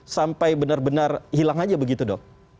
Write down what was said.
sampai benar benar hilang saja begitu dok